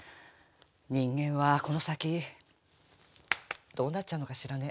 人間はこの先どうなっちゃうのかしらね。